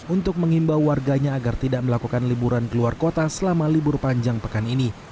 untuk mengimbau warganya agar tidak melakukan liburan keluar kota selama libur panjang pekan ini